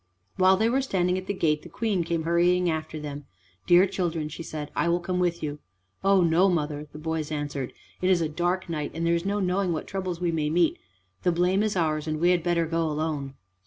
While they were standing at the gate, the Queen came hurrying after them. "Dear children," she said, "I will come with you." "Oh no, mother," the boys answered, "it is a dark night, and there is no knowing what troubles we may meet with; the blame is ours, and we had better go alone."